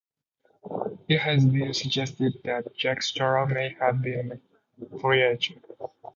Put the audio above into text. It has been suggested that Jack Straw may have been a preacher.